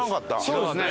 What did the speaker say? そうですね。